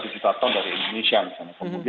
satu juta ton dari indonesia misalnya